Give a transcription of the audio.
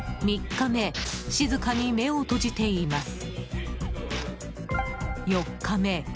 ４日目静かに目を閉じています。